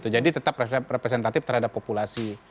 jadi tetap representatif terhadap populasi